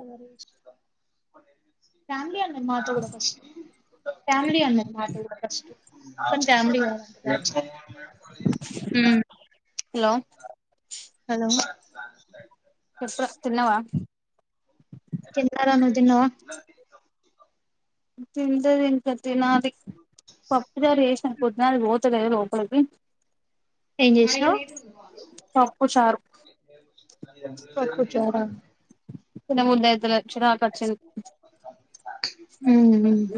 Hello మాట కూడా first family అన్నారు మాట కూడా ఫస్ట్ త్తం ఫ్యామిలీ వా హ్మ్ హలో ఎప్పుడో తిన్నావా తిన్నవా తింటే తింటా తినాది పప్పుచారు చేసిన కొద్నాలు పోతలేదా లోపలికి ఏం జేసినవ్ పప్పు చారు పప్పుచార తిన బుద్దయ్ జర చిరాక్ వచ్చిన్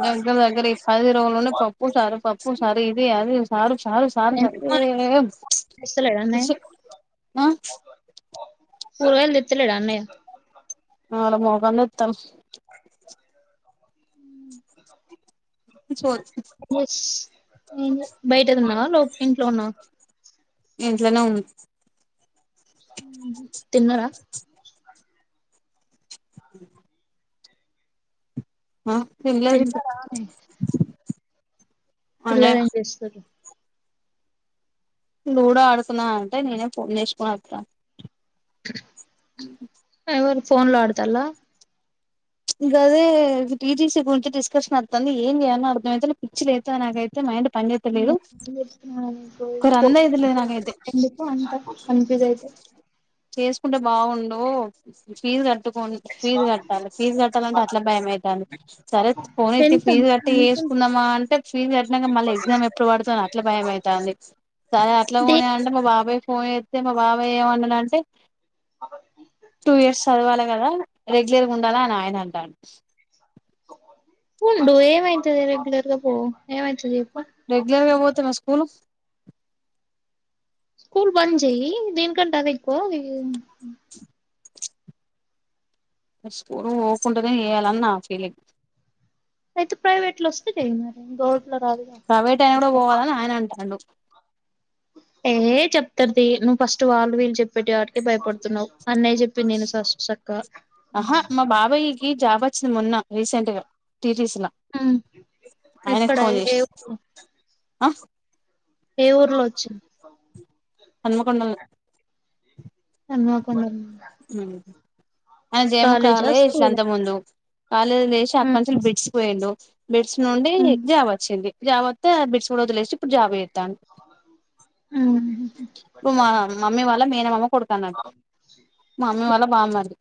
దగ్గర దగ్గర ఈ పది రోజులు నుండి పప్పు చారు పప్పు నారు ఇది అది చీరు చారు సారు పదే తెస్తలేడా అన్నయ్య విసుగ్, కూరగాయలు తెత్తలేడ అన్నయ్య వాల్ల మోకాలు తెత్తరు మ్ చో బయటనున్నావ లోప ఇంట్లో ఉన్నవ ఇంట్లోనే ఉన్న ఉమ్మ్ తిన్నరా ఆ తినలేదు ఇంకా తిన్నారా అన్నయ్య పిల్లలు ఏం చేస్తురు లూడో ఆడుకుందామని అంటే నేనే ఫోన్ తీసుకొని వస్తా ఉమ్ ఏర్ ఫోన్ లో ఆడుతల్లా ప్చ్ గదే టీటీసీ గురించి డిస్కషన్ వస్తుంది ఏం చేయాలో అర్థమయితేలే పిచ్చి లేస్తోంది నాకైతే మైండ్ పని చేత్తలేదు ఒక రంది అయితలేదు నాకైతే ఎందుకు అంత కన్ఫ్యూజ్ అయితే చేసుకుంటే బాగుడు ఫీజ్ కట్ కట్ కోని ఫీస్ కట్టలీ ఫీజు కట్టాలంటే అట్లా భయంమ అవుతుంది సరే ఫోన్ ఎత్తి టెన్త్ ఫీజు కట్టి అంత వేసుకుందామా అంటే ఫీజు కట్టాక మళ్ళీ ఎగ్జామ్ ఎప్పుడు పడుతుో అట్లా భయంమ అవుతుంది సరే అట్లా పోనీ దేనికి అంటే మా బాబాయ్ పోయితే మా బాబాయ్య ఏమన్నా అంటే టూ ఇయర్స్ చదవాలి కదా డదన్ ఆయన అంటాడు ఉండు ఏమవుతుది రెగ్యులర్ గా పో ఏమ అవుతుది రెగ్యులర్ గా పోతే మల్ల స్కూల్ స్కూల్ బంద్ చెయ్య దీనికంటే అదే ఎక్కువ స్కూల్ పోకుండనే చేయాలని నా ఫీలింగ్ అయితే ప్రైవేట్ లో వస్తే చెయ్ మరీ గవర్ట్ లో రాదు కదా ప్రైవేట్ అయినా కూడా పోవాలని ఆయన అంటాండు ఏ చెప్తారుది నువ్వు ఫస్ట్ వాళ్ళు వీళ్ళు చెప్పే వాటికే భయపడుతున్నావు అన్నయ్య చెప్పింది విను ఫస్ట్ చక్కగా ఆహా మా బాబాయ్ కి జాబ్ వచ్చింది మొన్న రీసెంట్ గా టీటీసీ లా ఉమ్ ఆయనకు ఎక్కడ ఫోన్ ఏ చేసి ఊరు ఆ ఏ ఊర్లో వచ్చింది హనుమకొండలో హనుమకొండలోన అన జేమ కావాలి ఇట్ల అంత ముందు కాలేజ్లో ఏసి అక్కంచులు బిడిచికిపోయుండు బెడ్స్ నుండి జాబ్ వచ్చింది జాబ్ వస్తే బెడ్స్ కూడా వదిలేసిప్పుడు జాబ్ చేేస్తాన్డు [unintelligible] ఇ మా మమ్మీ మాట్ల మేనమామ్ కొడుతున్నట్టు మమ్మీ వాళ్ళ బా మర్ది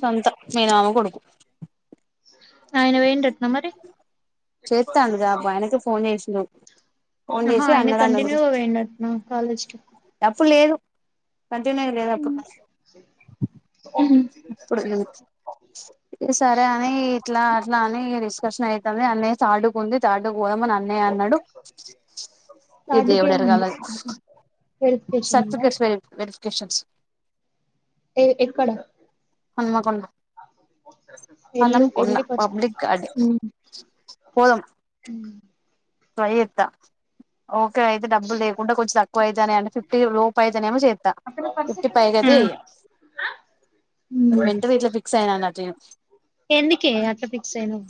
సొంత మేన మామ కొడుక్ ఆయన పోయిండు ట్ చేస్తా అన్నడు గా ఆయనకి ఫోన్ చేసి ఫోన్ ఆహా చేసి ఆయన అన్నాడాన్ని అడుగు కంటిన్యూగా పోయిండటనా కాలేజ్ కి ఇప్పుడు లేదు కంటిన్యూ లేదు అప్పుడుప్పుడు సరే అని ఇట్లా అట్లా అని ఇంగ తీస్ కషణ అవుయితుంది అన్న సా ఆడుగు ఉంది తాడు పోదామ్మని అన్నయ్య అన్నాడు ఇ థర్డ్‌కి దేవుడ ఎరగాల ఏముంది? వెరిఫికేషన్ ఉందా? సర్టిఫికేట్స్ వె వెరిఫికేషన్స్ ఎ ఎక్కడ? అనుమ కొండ ఎల్లు హన్మకొండ ఎల్లి ఫస్ట్ పబ్లిక్ గార్డెన్ హ్మ్. పోదమా ట్రై చెత్త ఓకే అయితే డబ్బులు లేకుండా కొంచెం తక్కువ అయితేనే అంటే ఫిఫ్టీ లోపు అయితేనే ఏమో చేస్తాను ఫిఫ్టీ పై ఆ! కతే హ్మ్. వెంట వీట్లో ఫిక్స్ అయినా అన్న నేను ఎందుకే అట్లా ఫిక్స్ అయినవు?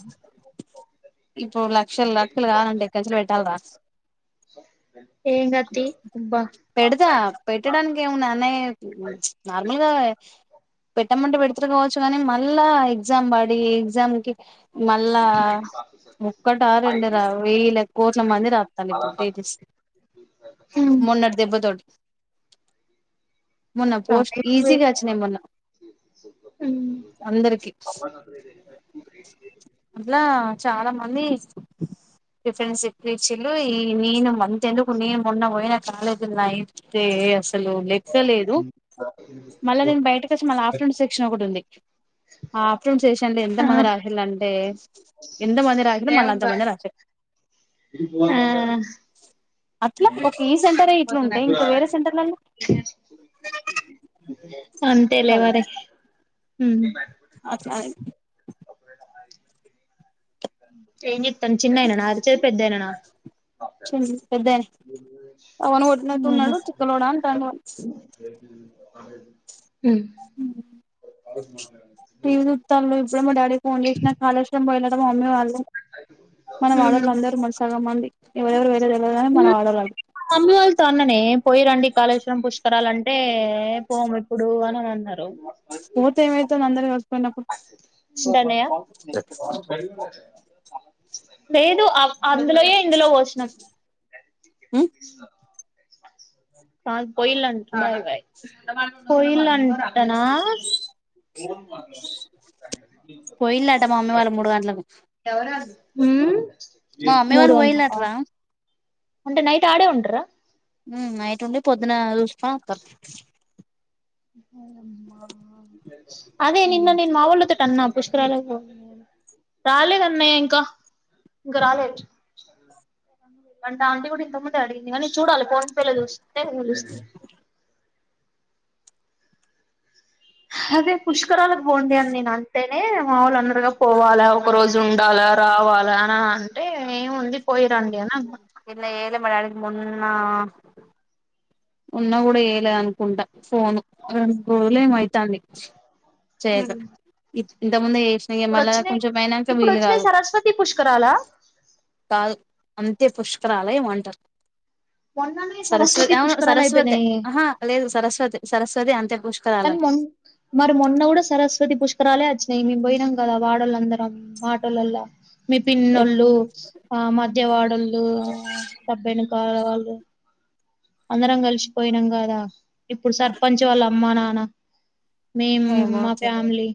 ఇప్పు ల క్షలు లేక్కలు కావనంటె లు పెట్టాలరా ఏం గాదు తీ అబ్బా! పెడదా పెట్టడానికి ఏమన్నాన్న నార్మల్గా పెట్టమంటే పెడుతురు కావచ్చు కానీ మళ్ళా ఎగ్జామ్ పడి ఎగ్జామ్ కి మళ్ళా ముక్కట రండి రా వయ్యల మంది రాతాల ఇ హ్మ్. మొన్నటి దెబ్బ తటి మొన్న పోస్ట్ రాయట్లే. ఈజీగాచ్చిన మొన్న హ్మ్. అందరికి అట్లా చాలా మంది ఇ ఫప్ ఈ నీను మంతెందుకు నీను మొన్న పోయిన కాలే దిల్లాయితే అసలు లెక్కలేదు మళ్ళా నేను బయటకిచ్చ మళ్ళ ఆఫట్రెంట్ సెక్షన్ ఒకటి ఉంది ఆ ఆఫర్ చేస అంటడి ఎంత ఆ! మంది రాశల అంటడి ఎంత మంది రాగి ఇ మళ్ళ అంతాంద రా ఆ అట్లా ఒక ఈ సెంటర్ ఇట్లా ఉంటాయి ఇంకా వేరే సెంటర్ల అంతే లే మరే ఉ అట్లా చె చెండి పెద్దని పవను కొట్నతు ఉన్నాడు చిక్కలోడా అంటాను అదే ప్ర తాంలో ఇప్పుడ మా డాడీ ఫోన్ చేసిన కాళశ్వర మహిళ మమ్మ వాళలు మన వాళ్ళళ అందరూ మన సగం మంది ఎవరెవరు పోయిల్లో తెల్వదు గాని మన వాడోళ్ళు అమివాల్ తన్ననే పోయి రండి కాళేశ్వరం పుష్క ాలంటే పోము ఇప్పుడు అన అన్నారు పోతే ఏం అయితంది అందరు కళ్తే చింట్టన్నయ్య లేదు ఆ అందులోయే ఇందులో పోషినం పాల్ పోయిలా పోయిలంట అట్టనా పోయిలట మా మమ్మి వాళ్ళ మూడుగంట్లకు [inaudible] మ్మ్ మా మమ్మీ వాళ్ళ పొఇల్లంట రా అంటే నైట్ ఆడే ఉంటరా మ్మ్ నైట్ ఉండి పొద్దున చూసుకొని వత్తరు [inaudible] అదే నిన్న నేను మావోల్లతోటి అన్నా పుష్కరాలకు పోతున్నారు అని రాలేదు అన్నయ్య ఇంకా ఇంకా రాలేదు అంటే ఆంటీ కూడా ఇంతక ముందే అడిగింది కానీ చూడాలే ఫోన్ ప్ప లే చూస్తుంటే అదే పుష్ కరాలకు పొండే అని నేను అంటే టే మావోళ్ళు అన్నారుగా పోవాలా ఒక రోజు ఉండాలా రావాలా అని అంటే ఏముంది పోయిరండి అని అన్నా త్తే మా డాడీ కి మొన్నా ఉన్నా గుడా చేయలే అనుకుంటా ఫోను రెండు రోజులు ఏమో అయితాంది. చేయక ఇ ఇంతక్ ముందే ఏ ఇప్పుడోచ్చినయి ఇప్పుడు వచ్చినయి సరస్వతి పుష్కరాలా కాదు అంతే పుష్కరాల ఏమో అంటరు. మొన్ననే సరస్వతీ పుష్క సరస్వతే ఆహా లేదు సరస్వతి సరస్వతి అంత్య కానీ మొన్ మరి మొన్న గుడా సరస్వతి పుష్ కరాలే వచ్చినయి మేము పోయినం కదా వాడోల్లందరం ఆటోల్లల్ల మీ పిన్నోళ్ళు ఆ మద్యవాడోళ్ళు డబ్బై [inaudible] అందరం కలిసి పోయినం కాదా ఇప్పుడు సర్పంచ్ వాళ్ళ అమ్మా నా నా మేము ఏమో మా తెలీదు ఫ్యామిలీ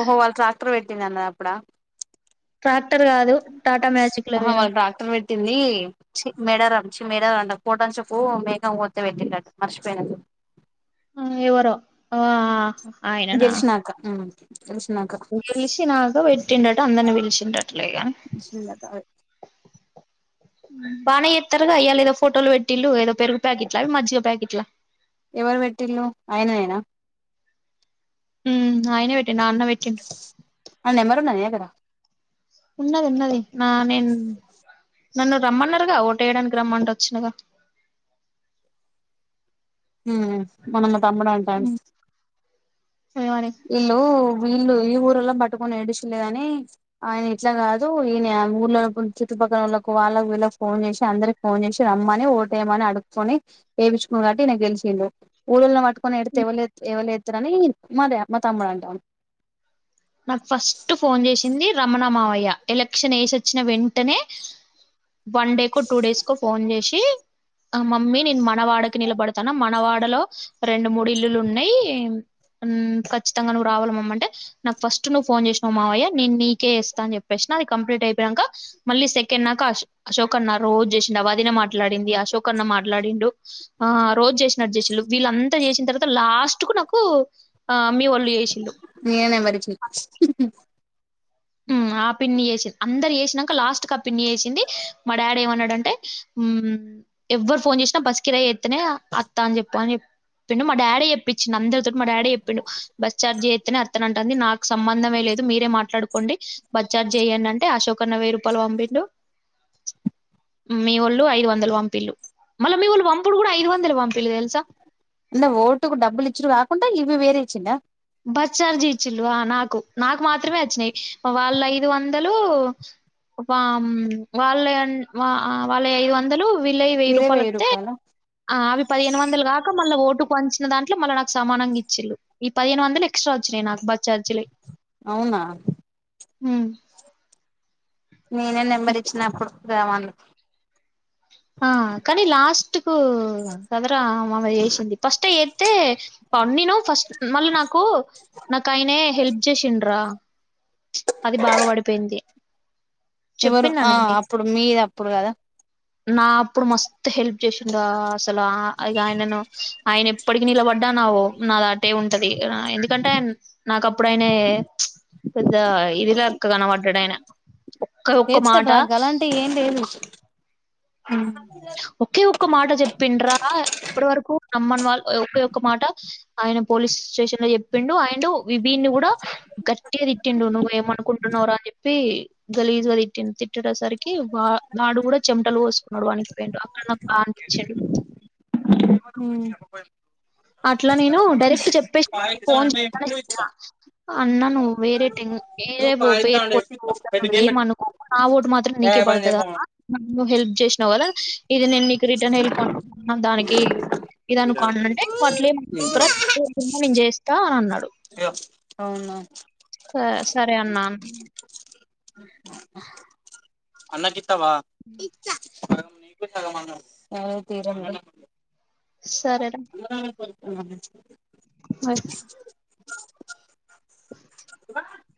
ఓహో వాళ్ళు ట్రాక్టర్ పెట్టింది అన్నది అప్పుడా ట్రా అ హా వాళ్ళు ట్రాక్టర్ పెట్టింది మేడారం చి మేడారం అంటన్న [inaudible] మేక కోస్తే పుట్టిండట మర్చిపోయిన మ్ ఎవరో ఆ ఆయననా గెలిచినాక ఉమ్ గెలిచినాక గెలిషినాక వెట్టిండ అందర్ని పిల్చింరట [unintelligible] బానే చేస్తరుగా ఇయ్యాల ఏదో ఫోటోలు పెట్టిళ్ళు ఏదో పెరుగు ప్యాకెట్ల అవి మజ్జిగ ప్యాకెట్లా ఎవరు పెట్టిన్లు ఆయన నేనా హ్మ్ ఆయనే నాన్న పెట్టిండు. ఆ నెంబర్ ఉన్నది నీ దగ్గర ఉన్నద్ ఉన్నది. నా నేన్ నన్ను రమ్మన్నర్గా ఓటెయ్యడానికి రమ్మంటే వచ్చినగా హ్మ్ మన తమ్ముడం [inaudible] ఉమ్, ఏమని ఇల్లు వీల్ ఈ ఊర్లో పట్టుకొని ఏడుచలే అని ఆయన ఇట్లా కాదు ఈ ఊర్ళ చుట్టుపక్కలళ్కి వాళ్ళకి వీళ్ళకి ఫోన్ చేసి అందరికి ఫోన్ చేసి రమ్మని ఓటేయమని అడుక్కకొని వేయిించుకుని కాబట్టి న గెలిచిండు ఊళ్ళలోని పట్టు కొని ఎడిత్తే ఎవళ ఎవళ తరణి మా తమ్ముడ అంటా నాకు ఫస్ట్ ఫోన్ చేసి ది రమణ మావయ్య ఎలక్షన్ వేసిచ్చిన వెంటనే వన్ డే కు టూ డేస్ కు ఫోన్ చేసి ఆ మమ్మీ నేను మనవాడకి నిలబడతాను మనవాడలో రెండు మూడు ఇల్లులు ఉన్నాయి మ్మ్ ఖచ్చితంగా నువ్వు రావాల మమ్మ అంటే నాక్ ఫస్ట్ నువ్వు ఫోన్ చేసినా్ మావయ్య నేను నీకే ఇస్తా అని చెప్పేసిన అది కంప్లీట్ అయిపోయినాక మళ్ళీ సెకండ్ నాక అశోక అన్న రోజు చేసిడు ఆ వదిన మాట్లాడింది అశోకన్న మాట్లాడిండు ఆ రోజు చేసినడుసిడు వీళ్ళంతా చేసిన తర్వాత లాస్ట్ కు నాకు ఆ మీ ఓల్ చేసిండు పరిచ ఆ పిన్ని చేసింది అందరు చేసినాక లాస్ట్గా ఆ పిన్ని వేసింది మా డాడీ ఏమన్నాడంటే ఎవరు మ్మ్ ఫోన్ చేసినా బస్ కిరా చెస్తనే అత్త అని చెప్ప అని చెప్పిండు మా డాడీ చెప్పించిడు అందరితోోటి మా డాడీ చెప్పిండు బస్ ఛార్జ్ చేస్తనే అత్తను అంటుంది నాకు సంబంధమ లేదు మీరే మాట్లాడుకు బస్ చర్జ్ చెయడి అంటే అశోకన్న వెయ్యి రూపాయల పంపిండు మీ ఒళ్ళు ఐదు వందల పంపిళ్లు మళ్ళీ మీ వాళ్ళు పంపుడు కూడా ఐదు వందల పంపిలు తెలుసా అంటే ఓటుకు డబ్బులు ఇచ్చడు కాకుండా ఇవి వేరే ఇచ్చిండా బస్ చార్జి ఇచ్చిళు నాకు నాకు మాత్రమే వచ్చినాయి వాళ్ళ ఐదు వందలు మ్మ్ వాళ్ళ వాళ్ళ ఐదు వందలు వళ్ల వెయ్యి మీరే రూపాయాలతే రూపాయల అవి పదిహేను వందలు కాక మళ్ళ ఓట్ ఇటు వంచిన దాంట్లో మళ్ళ నాకు సమానంగా ఇచ్చి పదిను వందలు ఎక్స్ట్రా వచ్చినాయి నాకు బస్ ఛార్జ్ అవునా హ నేనే నెంబర్ ఇచ్చినప్పుడు రేమా ఆ కాని లాస్ట్ కు కదర మా వేసింది ఫస్ట్ ఏతే పంపినా ఫస్ట్ మళ్ళీ నాకు నాకు ఆయనే హెల్ప్ చేసిండ్రా అది బాగా పడిపోయింది ఎవరు చెప్పినా ఆ అప్పుడు మీది అప్పుడు కదా అప్పుడు మస్తు హెల్ప్ ఇగ అసలు ఇగ ఆయనను ఆయన ఎప్పటికి నిలబడిన నా ఓటు ఆయనకే ఉంటది ఎందుకంటే నాక అప్పుడైనా ఇది ఇదిలెక్క కనబడ్డాయన ఒకక్కే ఒక్క మాట చేత్తర్రా గలాంటివి ఏం లేదు ఇస్తా ఒకే ఒ ఒ మాట చెప్పిండ్రా ఇప్పటి వరకు నమ్మని వాళ్ళ ఒక ఒక్క మాట ఆయన పోలీస్ స్టేషన్ లో చెప్పిండు ఆయండు విభిని కూడా గట్టిగా తిట్టిండు నువ్వు ఏమనుకుంటున్నావురా అని చెప్పి గలీజుగా తిట్టిండు. తిట్టే సరికి వా వాడు కూడా చెమటలు పోసుకున్నాడు వణికిపోయిండు అక్కడ నాకు బాద్ అనిపించిండు మ్మ్ అట్లా నేను డైరెక్ట్ చెప్పేసినా ఫోన్ అంటే ఎప్పుడు ఇస్తా [inaudible] అన్నా నువ్వు వేరే నువ్వు కాయితాండి చెప్పిస్తా పెట్టి [inaudible] గేమ్ పెట్టు ఏమనుకోకు నా ఓటు మాత్రం ఏ నీకే బంద్ చేయి పడుతది ఫోను నువ్ హెల్ప్ చేసినావు కదా ఇది నేను నీకు రిటర్న్ హెల్ప్ [inaudible] దానికి ఇది అనుకో అనింటే ఇగో అట్లేం నేను చేస్తా అనన్నాడు అవునా సరే సరే అన్నా అన్నకి ఇత్తవా [unintelligible] రవితేజ అమ్మలా సరే రా [unintelligible] ఇ